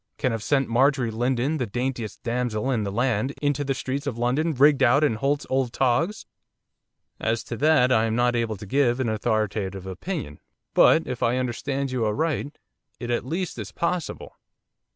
can have sent Marjorie Lindon, the daintiest damsel in the land! into the streets of London rigged out in Holt's old togs!' 'As to that, I am not able to give an authoritative opinion, but, if I understand you aright, it at least is possible.